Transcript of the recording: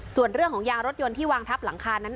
ส่วนเรื่องของยางรถยนต์ที่วางทับหลังคานั้น